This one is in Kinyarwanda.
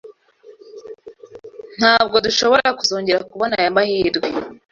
Ntabwo dushobora kuzongera kubona aya mahirwe.